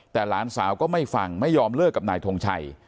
แต่หลานสาวก็ไม่ฟังไม่ยอมเลิกกับนายทงชัย